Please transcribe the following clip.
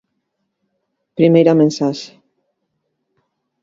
Primeira mensaxe...